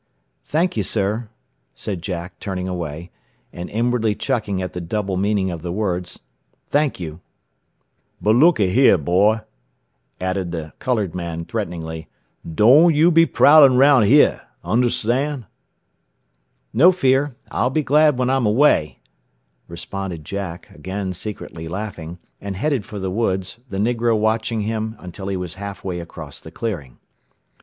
"Thank you, sir," said Jack, turning away, and inwardly chuckling at the double meaning of the words. "Thank you." "But look aheah, boy," added the colored man threateningly, "doan yo' be prowlin' roun' heah! Un'stan'?" "No fear. I'll be glad when I'm away," responded Jack, again secretly laughing, and headed for the woods, the negro watching him until he was half way across the clearing.